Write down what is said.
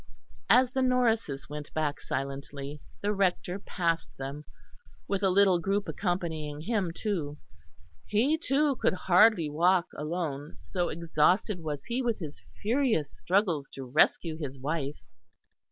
As the Norrises went back silently, the Rector passed them, with a little group accompanying him too; he, too, could hardly walk alone, so exhausted was he with his furious struggles to rescue his wife.